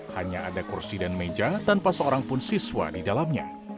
hanya ada kursi dan meja tanpa seorang pun siswa di dalamnya